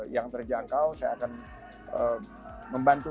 yang terjangkau saya akan membantu